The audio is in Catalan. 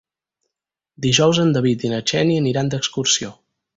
Dijous en David i na Xènia aniran d'excursió.